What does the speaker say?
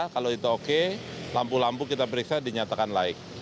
kalau itu oke lampu lampu kita periksa dinyatakan laik